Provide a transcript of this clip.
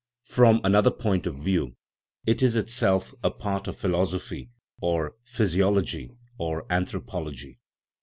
From another point of view it is itself a part of philoso phy, or physiology, or anthropology.